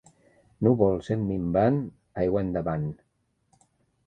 Núvols en minvant, aigua endavant.